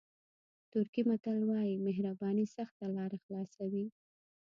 ترکي متل وایي مهرباني سخته لاره خلاصوي.